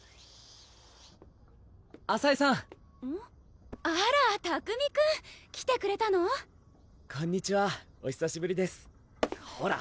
麻恵さんあら拓海くん来てくれたのこんにちはおひさしぶりですほら